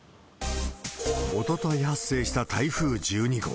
おととい発生した台風１２号。